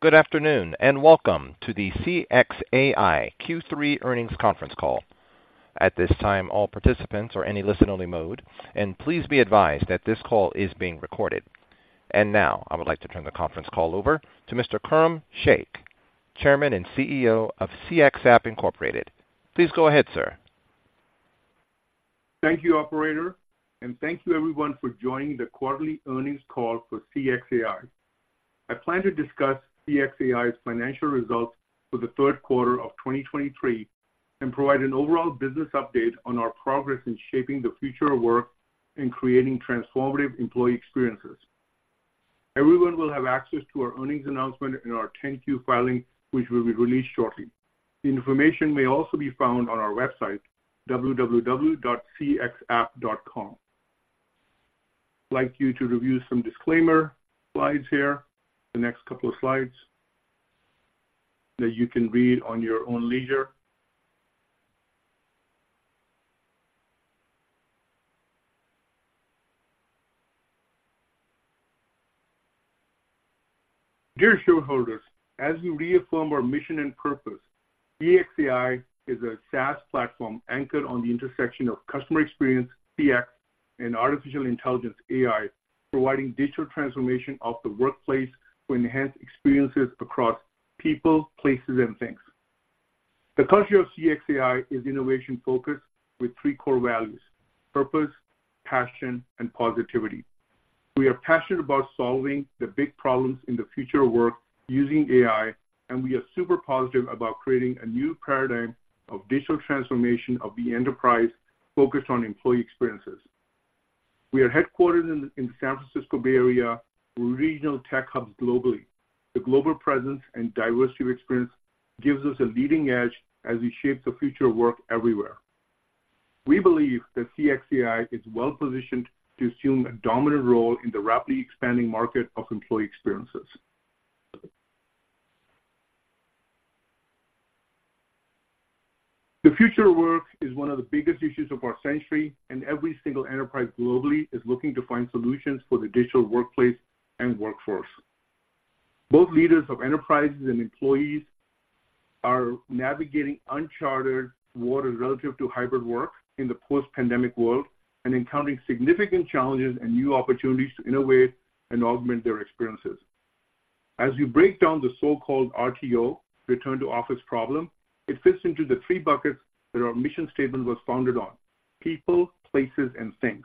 Good afternoon, and welcome to the CXAI Q3 Earnings Conference Call. At this time, all participants are in a listen-only mode, and please be advised that this call is being recorded. And now, I would like to turn the conference call over to Mr. Khurram Sheikh, Chairman and CEO of CXApp Incorporated. Please go ahead, sir. Thank you, operator, and thank you everyone for joining the quarterly earnings call for CXAI. I plan to discuss CXAI's financial results for the third quarter of 2023, and provide an overall business update on our progress in shaping the future of work and creating transformative employee experiences. Everyone will have access to our earnings announcement and our 10-Q filing, which will be released shortly. The information may also be found on our website, cxapp.com. I'd like you to review some disclaimer slides here, the next couple of slides, that you can read at your own leisure. Dear shareholders, as we reaffirm our mission and purpose, CXAI is a SaaS platform anchored on the intersection of customer experience, CX, and artificial intelligence, AI, providing digital transformation of the workplace to enhance experiences across people, places, and things. The culture of CXAI is innovation-focused with three core values: purpose, passion, and positivity. We are passionate about solving the big problems in the future of work using AI, and we are super positive about creating a new paradigm of digital transformation of the enterprise focused on employee experiences. We are headquartered in San Francisco Bay Area, with regional tech hubs globally. The global presence and diversity of experience gives us a leading edge as we shape the future of work everywhere. We believe that CXAI is well-positioned to assume a dominant role in the rapidly expanding market of employee experiences. The future of work is one of the biggest issues of our century, and every single enterprise globally is looking to find solutions for the digital workplace and workforce. Both leaders of enterprises and employees are navigating uncharted waters relative to hybrid work in the post-pandemic world, and encountering significant challenges and new opportunities to innovate and augment their experiences. As you break down the so-called RTO, return to office problem, it fits into the three buckets that our mission statement was founded on: people, places, and things.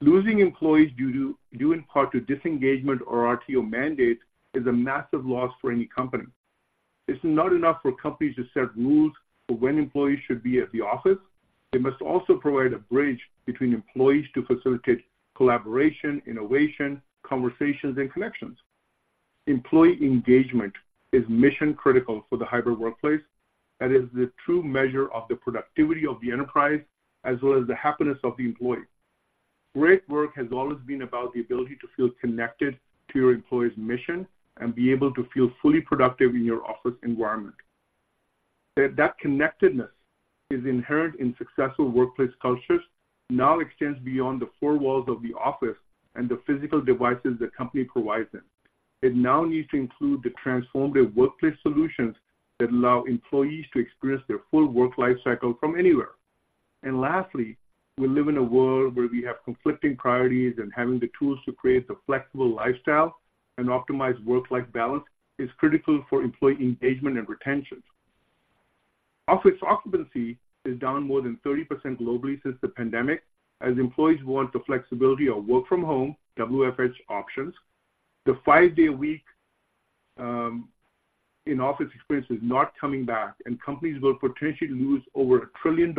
Losing employees due to, due in part to disengagement or RTO mandate is a massive loss for any company. It's not enough for companies to set rules for when employees should be at the office. They must also provide a bridge between employees to facilitate collaboration, innovation, conversations, and connections. Employee engagement is mission-critical for the hybrid workplace. That is the true measure of the productivity of the enterprise, as well as the happiness of the employee. Great work has always been about the ability to feel connected to your employee's mission and be able to feel fully productive in your office environment. That, that connectedness is inherent in successful workplace cultures, now extends beyond the four walls of the office and the physical devices the company provides them. It now needs to include the transformative workplace solutions that allow employees to experience their full work life cycle from anywhere. Lastly, we live in a world where we have conflicting priorities, and having the tools to create the flexible lifestyle and optimize work-life balance is critical for employee engagement and retention. Office occupancy is down more than 30% globally since the pandemic, as employees want the flexibility of work from home, WFH, options. The five-day week, in-office experience is not coming back, and companies will potentially lose over $1 trillion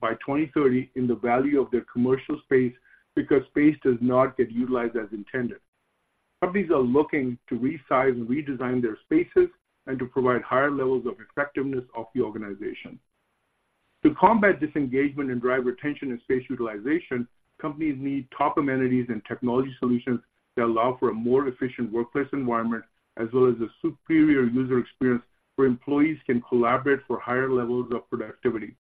by 2030 in the value of their commercial space because space does not get utilized as intended. Companies are looking to resize and redesign their spaces and to provide higher levels of effectiveness of the organization. To combat disengagement and drive retention and space utilization, companies need top amenities and technology solutions that allow for a more efficient workplace environment, as well as a superior user experience where employees can collaborate for higher levels of productivity.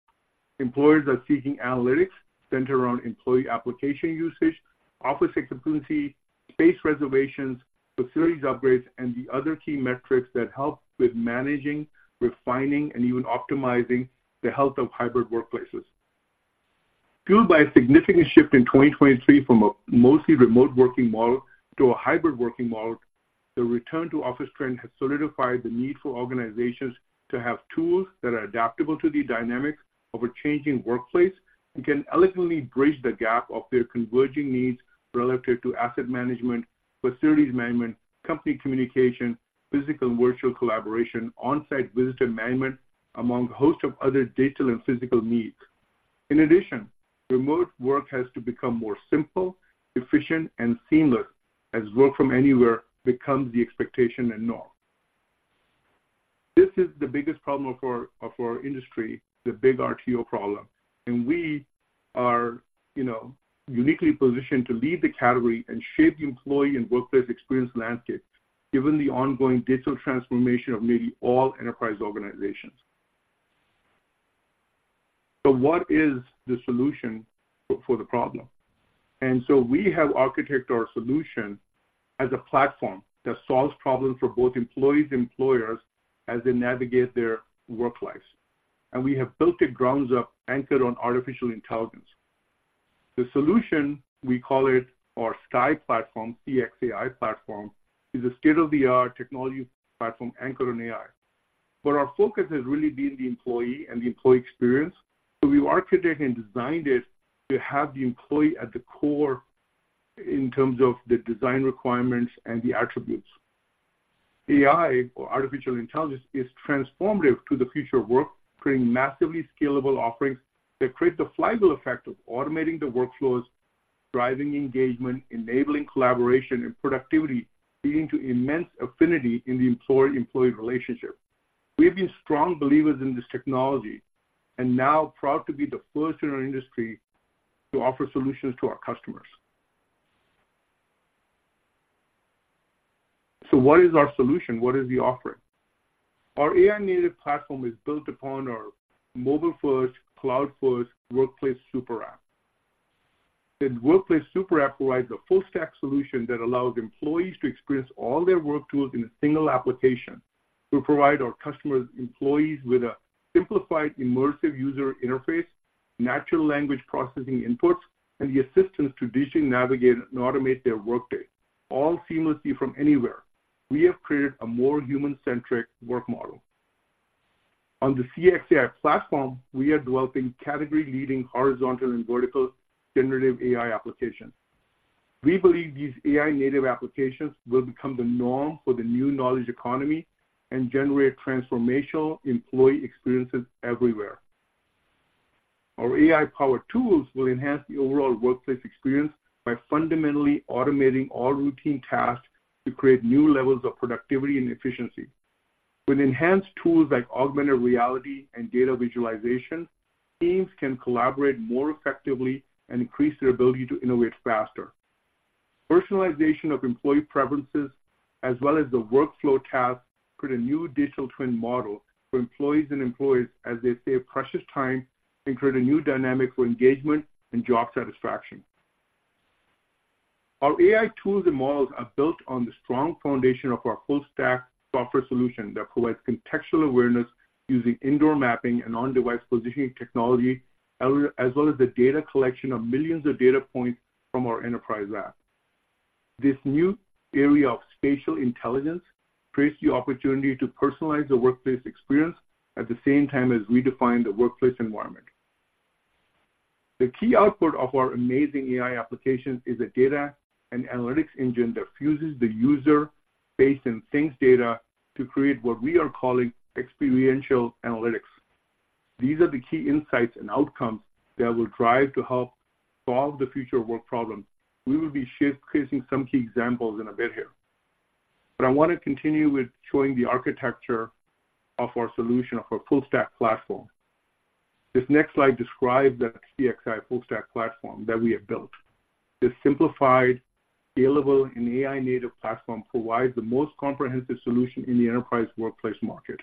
Employers are seeking analytics centered around employee application usage, office occupancy, space reservations, facilities upgrades, and the other key metrics that help with managing, refining, and even optimizing the health of hybrid workplaces. Fueled by a significant shift in 2023 from a mostly remote working model to a hybrid working model, the return to office trend has solidified the need for organizations to have tools that are adaptable to the dynamics of a changing workplace and can elegantly bridge the gap of their converging needs relative to asset management, facilities management, company communication, physical and virtual collaboration, on-site visitor management, among a host of other digital and physical needs. In addition, remote work has to become more simple, efficient, and seamless as work from anywhere becomes the expectation and norm. This is the biggest problem of our, of our industry, the big RTO problem, and we are, you know, uniquely positioned to lead the category and shape the employee and workplace experience landscape, given the ongoing digital transformation of maybe all enterprise organizations. So what is the solution for, for the problem? We have architected our solution as a platform that solves problems for both employees and employers as they navigate their work lives, and we have built it from the ground up, anchored on artificial intelligence. The solution, we call it our CXAI Platform, C-X-A-I Platform, is a state-of-the-art technology platform anchored on AI. Our focus has really been the employee and the employee experience, so we've architected and designed it to have the employee at the core in terms of the design requirements and the attributes. AI, or artificial intelligence, is transformative to the future of work, creating massively scalable offerings that create the flywheel effect of automating the workflows, driving engagement, enabling collaboration and productivity, leading to immense affinity in the employer-employee relationship. We have been strong believers in this technology and now proud to be the first in our industry to offer solutions to our customers. So what is our solution? What is the offering? Our AI-native platform is built upon our mobile-first, cloud-first workplace super app. This workplace super app provides a full stack solution that allows employees to experience all their work tools in a single application. We provide our customers' employees with a simplified, immersive user interface, natural language processing inputs, and the assistance to digitally navigate and automate their workday, all seamlessly from anywhere. We have created a more human-centric work model. On the CXAI Platform, we are developing category-leading horizontal and vertical generative AI applications. We believe these AI-native applications will become the norm for the new knowledge economy and generate transformational employee experiences everywhere. Our AI-powered tools will enhance the overall workplace experience by fundamentally automating all routine tasks to create new levels of productivity and efficiency. With enhanced tools like augmented reality and data visualization, teams can collaborate more effectively and increase their ability to innovate faster. Personalization of employee preferences, as well as the workflow tasks, create a new digital twin model for employees and employers as they save precious time and create a new dynamic for engagement and job satisfaction. Our AI tools and models are built on the strong foundation of our full-stack software solution that provides contextual awareness using indoor mapping and on-device positioning technology, as well as the data collection of millions of data points from our enterprise app. This new area of spatial intelligence creates the opportunity to personalize the workplace experience, at the same time as redefine the workplace environment. The key output of our amazing AI application is a data and analytics engine that fuses the user-based and things data to create what we are calling experiential analytics. These are the key insights and outcomes that will drive to help solve the future of work problems. We will be showcasing some key examples in a bit here. But I want to continue with showing the architecture of our solution, of our full-stack platform. This next slide describes the CXAI full-stack platform that we have built. This simplified, scalable, and AI-native platform provides the most comprehensive solution in the enterprise workplace market.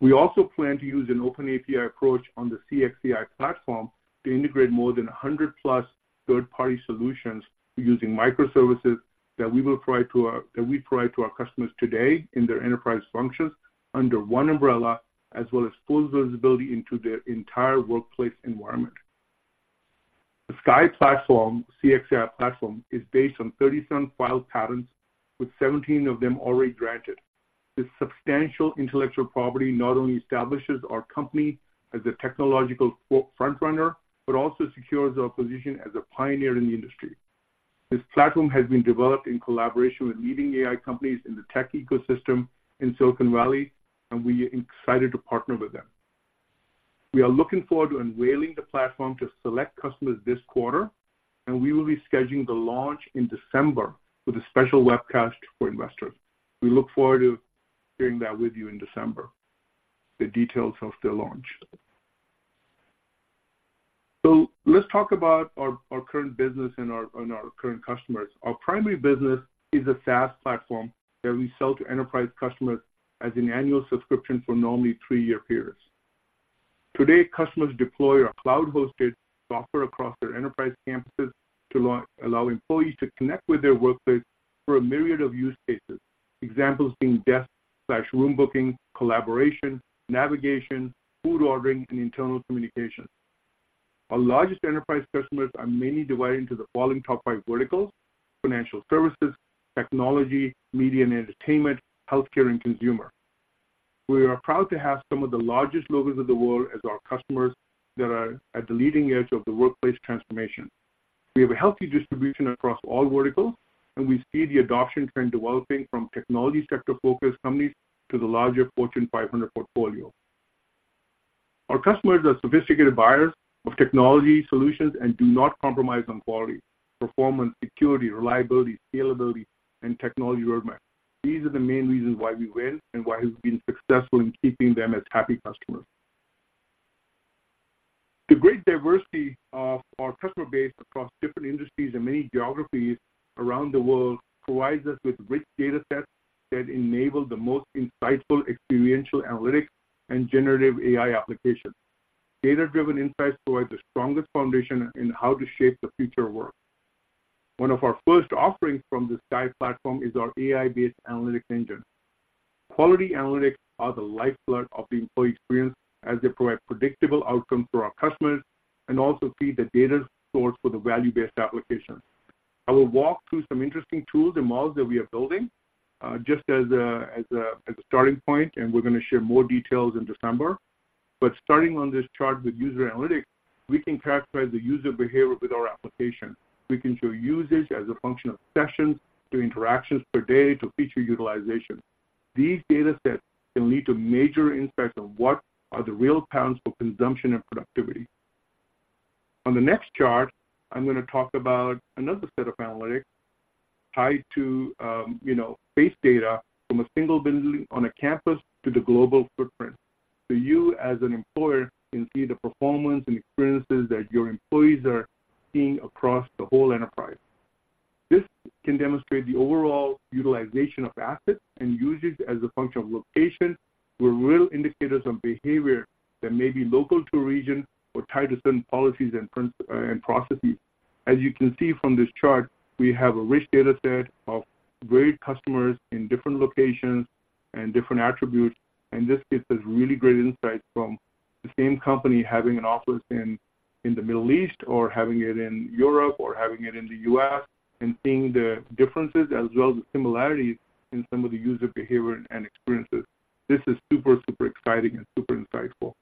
We also plan to use an OpenAPI approach on the CXAI Platform to integrate more than 100+ third-party solutions using microservices that we provide to our customers today in their enterprise functions under one umbrella, as well as full visibility into their entire workplace environment. The CXAI Platform, CXAI Platform, is based on 37 filed patents, with 17 of them already granted. This substantial intellectual property not only establishes our company as a technological frontrunner, but also secures our position as a pioneer in the industry. This platform has been developed in collaboration with leading AI companies in the tech ecosystem in Silicon Valley, and we are excited to partner with them. We are looking forward to unveiling the platform to select customers this quarter, and we will be scheduling the launch in December with a special webcast for investors. We look forward to sharing that with you in December, the details of the launch. Let's talk about our current business and our current customers. Our primary business is a SaaS platform that we sell to enterprise customers as an annual subscription for normally three-year periods. Today, customers deploy our cloud-hosted software across their enterprise campuses to allow employees to connect with their workplace for a myriad of use cases. Examples being desk/room booking, collaboration, navigation, food ordering, and internal communication. Our largest enterprise customers are mainly divided into the following top five verticals: financial services, technology, media and entertainment, healthcare, and consumer. We are proud to have some of the largest logos of the world as our customers that are at the leading edge of the workplace transformation. We have a healthy distribution across all verticals, and we see the adoption trend developing from technology sector-focused companies to the larger Fortune 500 portfolio. Our customers are sophisticated buyers of technology solutions and do not compromise on quality, performance, security, reliability, scalability, and technology roadmap. These are the main reasons why we win and why we've been successful in keeping them as happy customers. The great diversity of our customer base across different industries and many geographies around the world provides us with rich data sets that enable the most insightful experiential analytics and generative AI applications. Data-driven insights provide the strongest foundation in how to shape the future of work. One of our first offerings from the CXAI Platform is our AI-based analytics engine. Quality analytics are the lifeblood of the employee experience, as they provide predictable outcomes for our customers and also feed the data source for the value-based applications. I will walk through some interesting tools and models that we are building, just as a starting point, and we're going to share more details in December. Starting on this chart with user analytics, we can characterize the user behavior with our application. We can show usage as a function of sessions, to interactions per day, to feature utilization. These data sets can lead to major insights on what are the real patterns for consumption and productivity. On the next chart, I'm going to talk about another set of analytics tied to, you know, base data from a single building on a campus to the global footprint. So you, as an employer, can see the performance and experiences that your employees are seeing across the whole enterprise. This can demonstrate the overall utilization of assets and usage as a function of location, with real indicators of behavior that may be local to a region or tied to certain policies and processes. As you can see from this chart, we have a rich data set of great customers in different locations and different attributes, and this gives us really great insights from the same company having an office in the Middle East, or having it in Europe, or having it in the U.S., and seeing the differences as well as the similarities in some of the user behavior and experiences. This is super, super exciting and super insightful.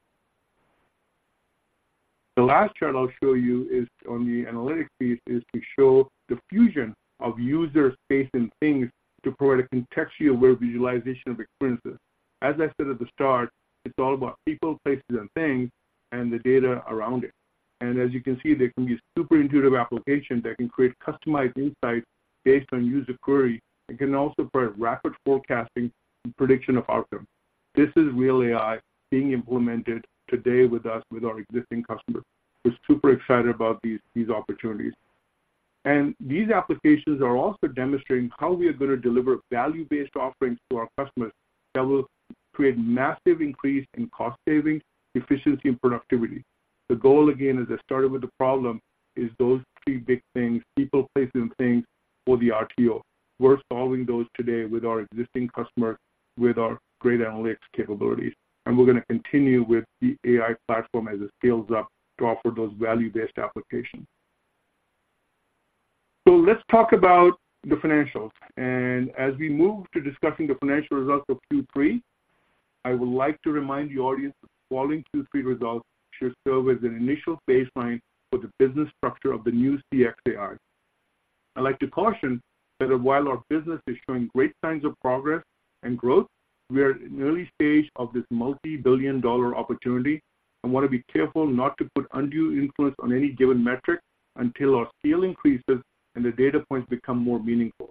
The last chart I'll show you is on the analytics piece, is to show the fusion of users, space, and things to provide a contextually aware visualization of experiences. As I said at the start, it's all about people, places, and things, and the data around it. As you can see, there can be super intuitive applications that can create customized insights based on user query, and can also provide rapid forecasting and prediction of outcomes. This is real AI being implemented today with us, with our existing customers. We're super excited about these, these opportunities. And these applications are also demonstrating how we are going to deliver value-based offerings to our customers that will create massive increase in cost savings, efficiency, and productivity. The goal, again, as I started with the problem, is those three big things: people, places, and things for the RTO. We're solving those today with our existing customers, with our great analytics capabilities, and we're going to continue with the AI platform as it scales up to offer those value-based applications. So let's talk about the financials. As we move to discussing the financial results of Q3, I would like to remind the audience that the following Q3 results should serve as an initial baseline for the business structure of the new CXAI. I'd like to caution that while our business is showing great signs of progress and growth, we are in the early stage of this multi-billion dollar opportunity and want to be careful not to put undue influence on any given metric until our scale increases and the data points become more meaningful.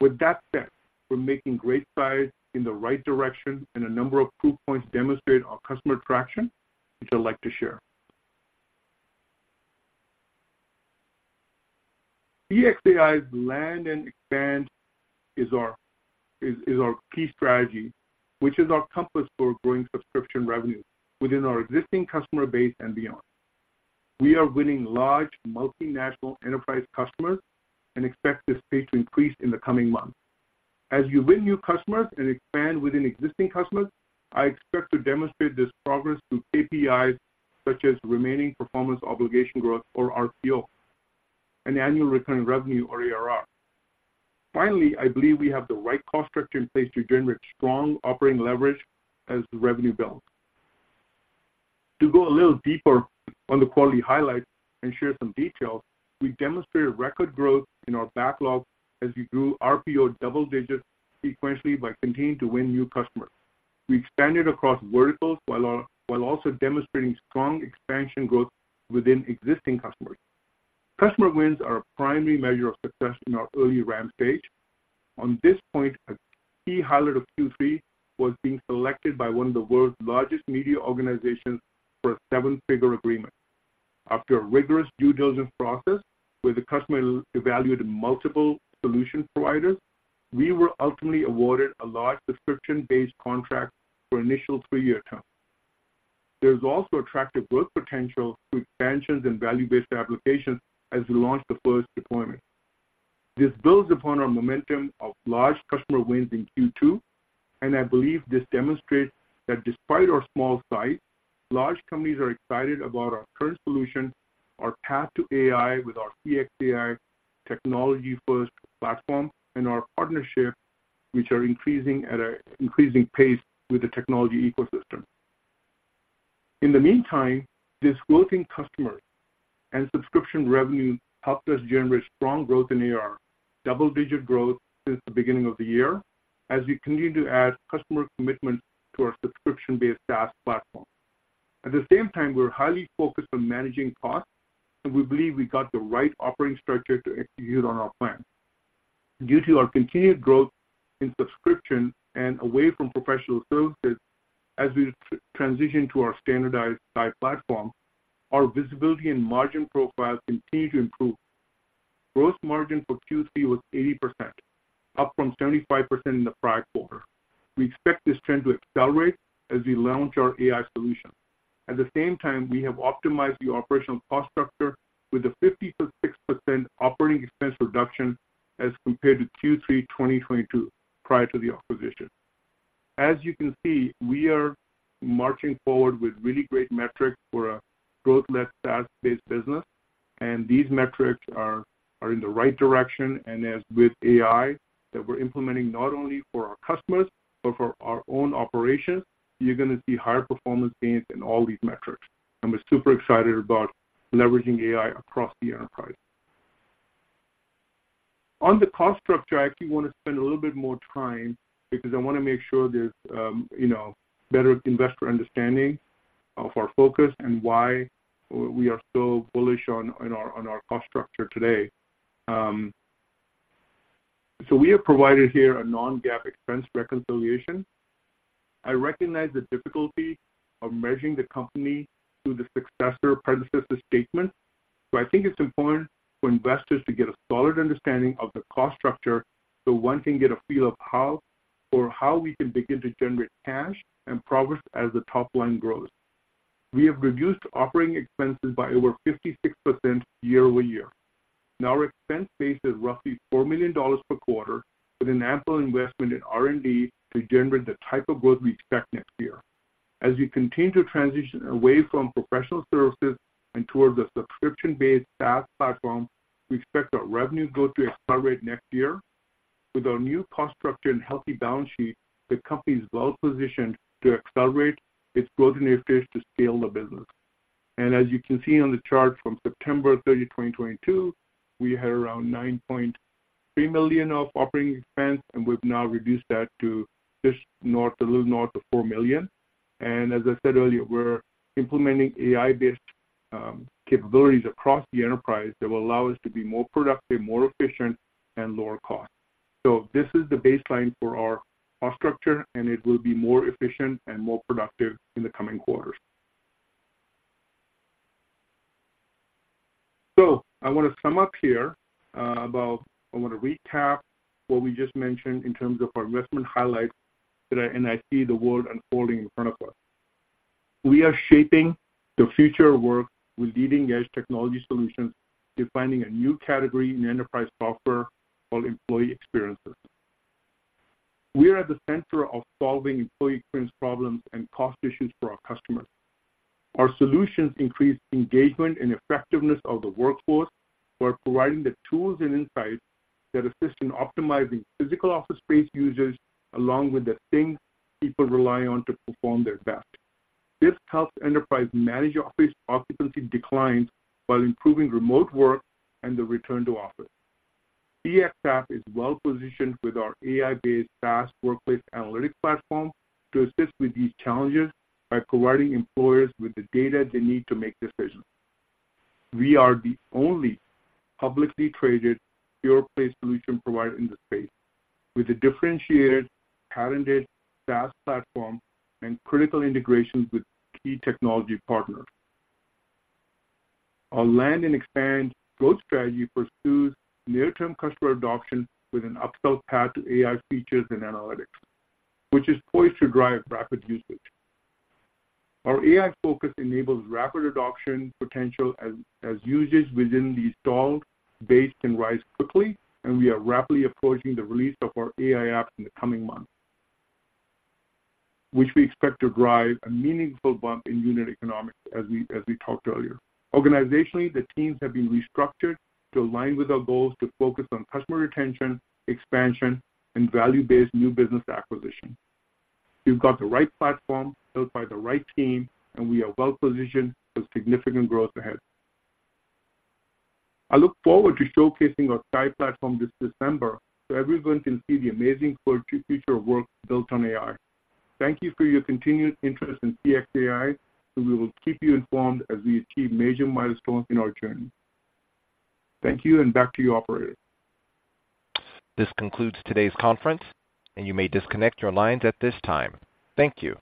With that said, we're making great strides in the right direction, and a number of proof points demonstrate our customer traction, which I'd like to share. CXAI's land and expand is our key strategy, which is our compass for growing subscription revenue within our existing customer base and beyond. We are winning large, multinational enterprise customers and expect this pace to increase in the coming months. As we win new customers and expand within existing customers, I expect to demonstrate this progress through KPIs such as remaining performance obligation growth, or RPO, and annual recurring revenue, or ARR. Finally, I believe we have the right cost structure in place to generate strong operating leverage as the revenue builds. To go a little deeper on the quality highlights and share some details, we demonstrated record growth in our backlog as we grew RPO double digits sequentially by continuing to win new customers. We expanded across verticals, while also demonstrating strong expansion growth within existing customers. Customer wins are a primary measure of success in our early ramp stage. On this point, a key highlight of Q3 was being selected by one of the world's largest media organizations for a seven-figure agreement. After a rigorous due diligence process, where the customer evaluated multiple solution providers, we were ultimately awarded a large subscription-based contract for initial three-year term. There's also attractive growth potential through expansions and value-based applications as we launch the first deployment. This builds upon our momentum of large customer wins in Q2, and I believe this demonstrates that despite our small size, large companies are excited about our current solution, our path to AI with our CXAI technology-first platform, and our partnerships, which are increasing at an increasing pace with the technology ecosystem. In the meantime, this closing customer and subscription revenue helped us generate strong growth in ARR, double-digit growth since the beginning of the year, as we continue to add customer commitment to our subscription-based SaaS platform. At the same time, we're highly focused on managing costs, and we believe we got the right operating structure to execute on our plan. Due to our continued growth in subscription and away from professional services, as we transition to our standardized CXAI Platform. Our visibility and margin profile continue to improve. Gross margin for Q3 was 80%, up from 75% in the prior quarter. We expect this trend to accelerate as we launch our AI solution. At the same time, we have optimized the operational cost structure with a 56% operating expense reduction as compared to Q3 2022, prior to the acquisition. As you can see, we are marching forward with really great metrics for a growth-led, SaaS-based business, and these metrics are in the right direction. And as with AI, that we're implementing not only for our customers, but for our own operations, you're going to see higher performance gains in all these metrics. And we're super excited about leveraging AI across the enterprise. On the cost structure, I actually want to spend a little bit more time because I want to make sure there's, you know, better investor understanding of our focus and why we are so bullish on, on our, on our cost structure today. So we have provided here a non-GAAP expense reconciliation. I recognize the difficulty of measuring the company through the successor or predecessor statement, so I think it's important for investors to get a solid understanding of the cost structure, so one can get a feel of how we can begin to generate cash and progress as the top line grows. We have reduced operating expenses by over 56% year-over-year. Now our expense base is roughly $4 million per quarter, with an ample investment in R&D to generate the type of growth we expect next year. As we continue to transition away from professional services and towards a subscription-based SaaS platform, we expect our revenue growth to accelerate next year. With our new cost structure and healthy balance sheet, the company is well positioned to accelerate its growth and efficient to scale the business. As you can see on the chart, from September 30, 2022, we had around $9.3 million of operating expense, and we've now reduced that to just north, a little north of $4 million. And as I said earlier, we're implementing AI-based capabilities across the enterprise that will allow us to be more productive, more efficient, and lower cost. So this is the baseline for our cost structure, and it will be more efficient and more productive in the coming quarters. So I want to sum up here, I want to recap what we just mentioned in terms of our investment highlights today, and I see the world unfolding in front of us. We are shaping the future of work with leading-edge technology solutions, defining a new category in enterprise software called employee experiences. We are at the center of solving employee experience problems and cost issues for our customers. Our solutions increase engagement and effectiveness of the workforce, while providing the tools and insights that assist in optimizing physical office space users, along with the things people rely on to perform their best. This helps enterprise manage office occupancy declines while improving remote work and the return to office. CXApp is well positioned with our AI-based SaaS workplace analytics platform to assist with these challenges by providing employers with the data they need to make decisions. We are the only publicly traded workplace solution provider in the space, with a differentiated, patented SaaS platform and critical integrations with key technology partners. Our land and expand growth strategy pursues near-term customer adoption with an upsell path to AI features and analytics, which is poised to drive rapid usage. Our AI focus enables rapid adoption potential as usage within the installed base can rise quickly, and we are rapidly approaching the release of our AI app in the coming months, which we expect to drive a meaningful bump in unit economics, as we talked earlier. Organizationally, the teams have been restructured to align with our goals to focus on customer retention, expansion, and value-based new business acquisition. We've got the right platform built by the right team, and we are well positioned for significant growth ahead. I look forward to showcasing our CXAI Platform this December, so everyone can see the amazing future of work built on AI. Thank you for your continued interest in CXAI, and we will keep you informed as we achieve major milestones in our journey. Thank you, and back to you, operator. This concludes today's conference, and you may disconnect your lines at this time. Thank you.